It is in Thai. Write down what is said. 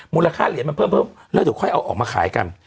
มูลค่าเหรียญมันเพิ่มเราจะค่อยเอาออกมาขายกัน